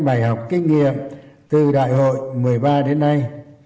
phân tích những nguyên nhân và rút ra những bài học kinh nghiệm từ đại hội một mươi ba đến nay